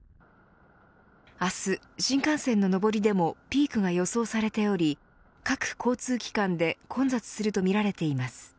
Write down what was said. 明日、新幹線の上りでもピークが予想されており各交通機関で混雑するとみられています。